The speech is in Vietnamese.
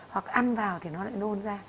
hoặc ăn vào thì nó lại nôn ra